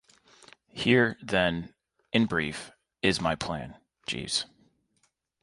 Here, then, in brief, is my plan, Jeeves.